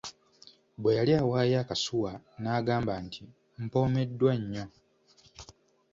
Bwe yali awaayo akasuwa n'agamba nti, mpomeddwa nnyo!